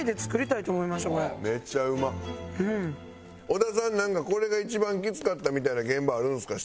小田さんなんかこれが一番きつかったみたいな現場あるんですか？